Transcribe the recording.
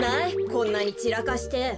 こんなにちらかして。